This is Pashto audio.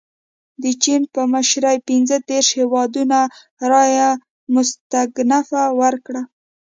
د چین په مشرۍ پنځه دېرش هیوادونو رایه مستنکفه ورکړه.